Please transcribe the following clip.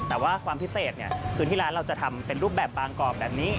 แต่ว่าความพิเศษคือที่ร้านเราจะทำเป็นรูปแบบบางกรอบแบบนี้